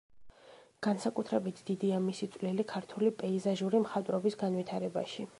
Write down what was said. განსაკუთრებით დიდია მისი წვლილი ქართული პეიზაჟური მხატვრობის განვითარებაში.